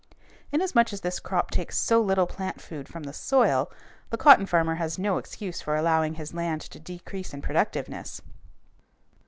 Inasmuch as this crop takes so little plant food from the soil, the cotton farmer has no excuse for allowing his land to decrease in productiveness.